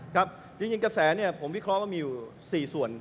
ครับจริงกระแสเนี่ยผมวิเคราะห์ว่ามีอยู่๔ส่วน